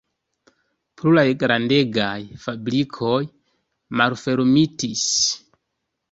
Pluraj grandegaj fabrikoj malfermitis.